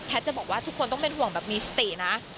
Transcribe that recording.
จะบอกว่าทุกคนต้องเป็นห่วงแบบมีสตินะ